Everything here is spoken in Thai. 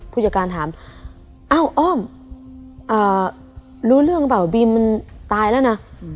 ผู้จัดการถามเอ้าอ้ออ่ารู้เรื่องกับบ่าว่าบีมมันตายแล้วนะ